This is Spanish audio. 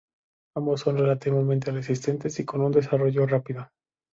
Ambos son relativamente resistentes y con un desarrollo rápido.